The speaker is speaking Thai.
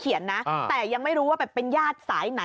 ก็เรียกร้องให้ตำรวจดำเนอคดีให้ถึงที่สุดนะ